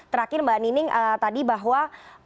terakhir mbak nining tadi bahwa